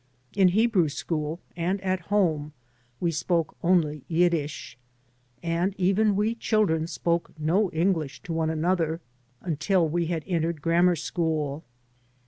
In Hebrew school and at home we spoke only Yiddish, and even we children spoke no English to one another until we had entered grammar school.